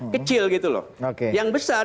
kecil gitu loh yang besar